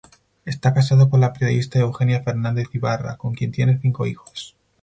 Está casado con la periodista Eugenia Fernández Ibarra, con quien tiene cinco hijos.